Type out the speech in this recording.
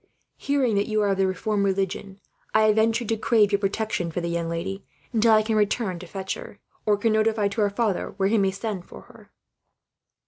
Hearing that you are of the reformed religion, I have ventured to crave your protection for the young lady; until I can return to fetch her, or can notify to her father where he may send for her."